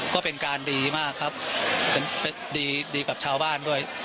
ก็เป็นการดีมากครับเป็นดีกับชาวบ้านด้วย